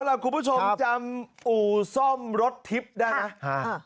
สวัสดีครับคุณผู้ชมจำอู่ซ่อมรถทิพย์ได้มั้ย